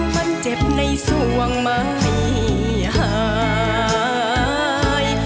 มันเจ็บในส่วงมาให้อาย